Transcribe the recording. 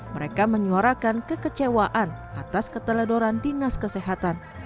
mereka menyuarakan kekecewaan atas keteledoran dinas kesehatan